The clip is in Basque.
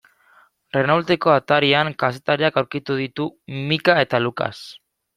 Renaulteko atarian kazetariak aurkitu ditu Micka eta Lucas.